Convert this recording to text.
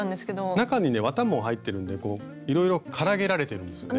中にね綿も入ってるんでいろいろからげられてるんですね。